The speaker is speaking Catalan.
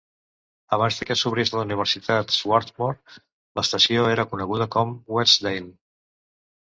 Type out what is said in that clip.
Abans de què s'obrís la Universitat Swarthmore, l'estació era coneguda com Westdale.